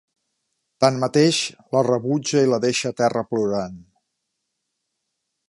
Tanmateix, la rebutja i la deixa a terra plorant.